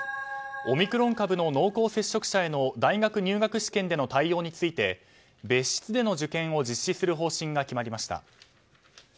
オミクロン株の濃厚接触者への大学入学試験での対応について別室での受験を実施する方針が決まりました。